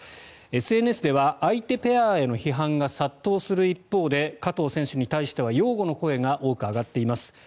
ＳＮＳでは相手ペアへの批判が殺到する一方で加藤選手に対しては擁護の声が多く上がっています。